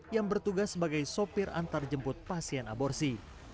yang bertugas sebagai sopir antarjemput pasien aborsi